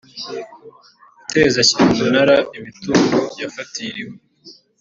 Guteza cyamunara imitungo yafatiriwe